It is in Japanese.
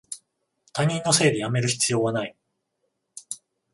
他人のせいでやめる必要はない